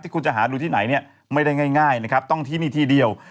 คุณจะหาดูที่ไหนเนี่ยไม่ได้ง่ายนะครับต้องที่นี่ที่เดียว